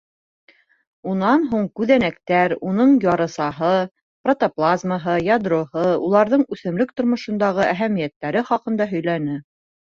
Унан һуң күҙәнәктәр, уның ярысаһы, протоплазмаһы, ядроһы, уларҙың үҫемлек тормошондағы әһәмиәттәре хаҡында һөйләне.